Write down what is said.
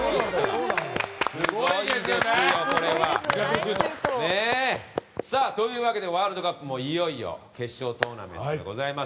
すごいですよ、これは。というわけでワールドカップもいよいよ決勝トーナメントでございます。